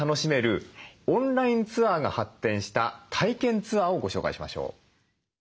オンラインツアーが発展した体験ツアーをご紹介しましょう。